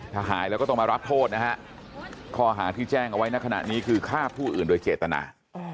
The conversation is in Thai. ถ้าหายแล้วก็ต้องมารับโทษนะฮะข้อหาที่แจ้งเอาไว้ในขณะนี้คือฆ่าผู้อื่นโดยเจตนา